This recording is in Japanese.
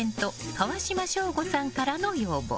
川島省吾さんからの要望。